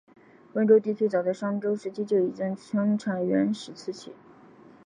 温州地区早在商周时期就已经生产原始瓷器。